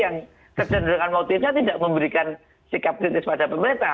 yang kecenderungan motifnya tidak memberikan sikap kritis pada pemerintah